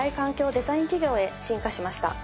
デザイン企業へ進化しました。